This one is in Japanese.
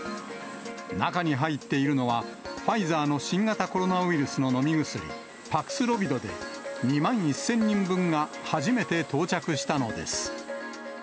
中に入っているのは、ファイザーの新型コロナウイルスの飲み薬、パクスロビドで、２万１０００人分が初めて到着したのです。